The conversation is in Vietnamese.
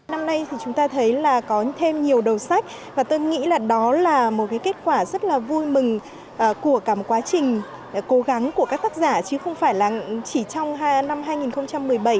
năm nay thì chúng ta thấy là có thêm nhiều đầu sách và tôi nghĩ là đó là một kết quả rất là vui mừng của cả một quá trình cố gắng của các tác giả chứ không phải là chỉ trong năm hai nghìn một mươi bảy